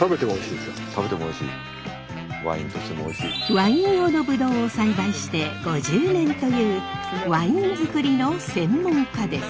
ワイン用のぶどうを栽培して５０年というワイン作りの専門家です。